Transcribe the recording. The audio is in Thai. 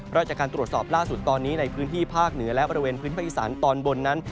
แล้วจากการตรวจสอบล่าสุดตอนนี้ในพื้นที่ภาคเหนือและบริเวณพื้นที่ภาคอีสานตอนบนนั้น